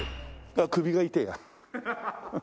あっ首が痛えや。